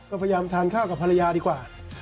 ก็พยายามทานข้าวกับภรรยาดีกว่า